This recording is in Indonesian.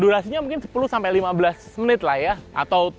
durasinya mungkin sepuluh sampai lima belas menit lah ya